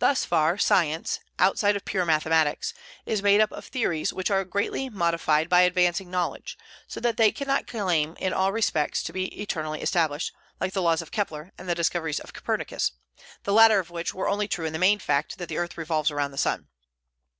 Thus far science, outside of pure mathematics, is made up of theories which are greatly modified by advancing knowledge, so that they cannot claim in all respects to be eternally established, like the laws of Kepler and the discoveries of Copernicus, the latter of which were only true in the main fact that the earth revolves around the sun.